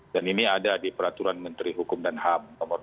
dan ini ada di peraturan menteri hukum dan ham nomor dua puluh enam